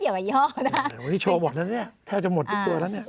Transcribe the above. วันนี้โชว์หมดแล้วเนี่ยเท่าจะหมดทุกตัวแล้วเนี่ย